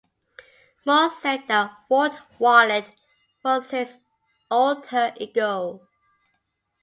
Moores said that Walt Wallet was his alter ego.